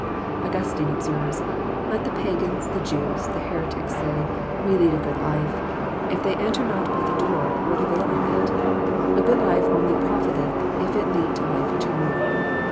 Augustine observes : "Let the Pt^ans, the Jews, the heretics say, * We lead a good life.* If they enter not by the door, what availeth it? A good life only proflteth if It lead to life eternal.